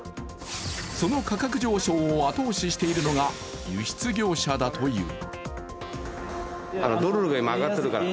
その価格上昇を後押ししているのが輸出業者だという。